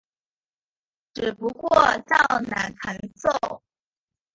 只不过较难弹奏。